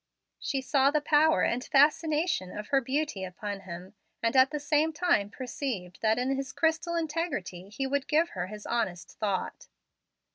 She saw the power and fascination of her beauty upon him, and at the same time perceived that in his crystal integrity he would give her his honest thought.